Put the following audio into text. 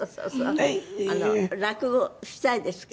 落語したいですか？